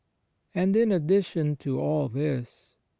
And, in addition to all this.